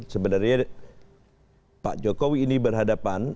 sebenarnya pak jokowi ini berhadapan